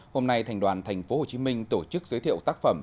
hôm nay thành đoàn tp hcm tổ chức giới thiệu tác phẩm